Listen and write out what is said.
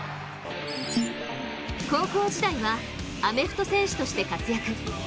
高校時代はアメフト選手として活躍。